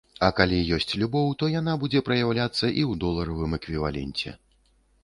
А калі ёсць любоў, то яна будзе праяўляцца і ў доларавым эквіваленце.